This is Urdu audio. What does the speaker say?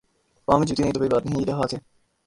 پاؤں میں جوتی نہیں تو کوئی بات نہیں یہ جہاد ہے۔